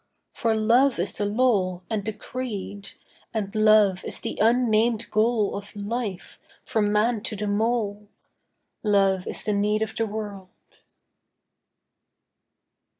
For love is the law and the creed And love is the unnamed goal Of life, from man to the mole. Love is the need of the world.